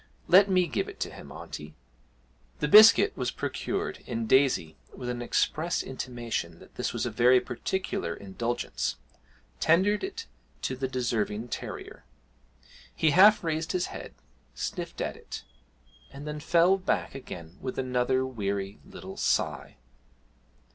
Let me give it to him, auntie?' The biscuit was procured, and Daisy, with an express intimation that this was a very particular indulgence, tendered it to the deserving terrier. He half raised his head, sniffed at it and then fell back again with another weary little sigh.